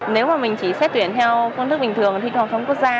nếu mà mình chỉ xét tuyển theo phương thức bình thường thi trung học phổ thông quốc gia